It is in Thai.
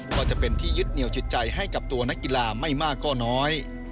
ก็จะเป็นที่ยึดเหนียวจิตใจให้กับตัวนักกีฬาไม่มากก็น้อย